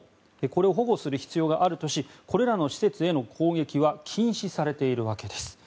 これを保護する必要があるとしこれら施設への攻撃は禁止されているわけです。